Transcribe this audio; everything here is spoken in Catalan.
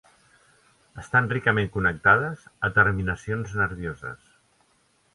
Estan ricament connectades a terminacions nervioses.